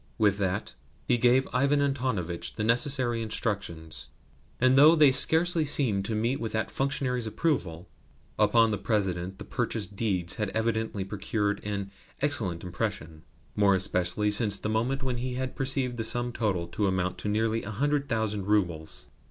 With that he gave Ivan Antonovitch the necessary instructions; and though they scarcely seemed to meet with that functionary's approval, upon the President the purchase deeds had evidently produced an excellent impression, more especially since the moment when he had perceived the sum total to amount to nearly a hundred thousand roubles.